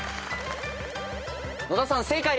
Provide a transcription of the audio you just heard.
野田さん正解です。